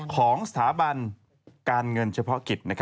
ของสถาบันการเงินเฉพาะกิจ